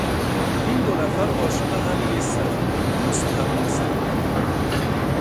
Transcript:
این دو نفر عاشق هم نیستند. دوست هم نیستند.